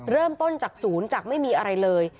เริ่มต้นจากศูนย์จากไม่มีอะไรเลย